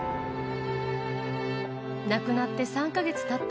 亡くなって３か月たった